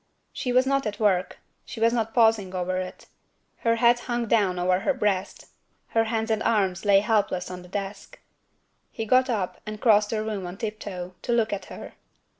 She was not at work; she was not pausing over it. Her head hung down over her breast; her hands and arms lay helpless on the desk. He got up and crossed the room on tiptoe, to look at her.